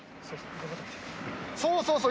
そうそうそう。